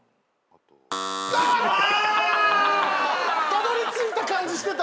たどり着いた感じしてた。